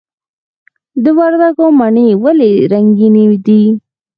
د وردګو مڼې ولې رنګینې دي؟